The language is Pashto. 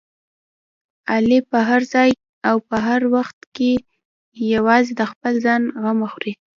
علي په هر ځای او هر وخت کې یوازې د خپل ځان غمه خوري.